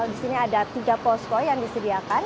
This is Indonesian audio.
di sini ada tiga posko yang disediakan